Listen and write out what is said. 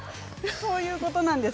そういうことなんです。